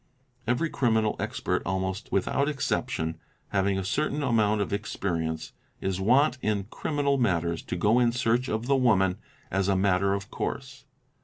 Every criminal expert almost without exception, having a certain amount of experience, is wont in criminal matters to go in search of the woman as a matter of course.